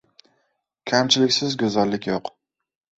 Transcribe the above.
• Kamchiliksiz go‘zallik yo‘q.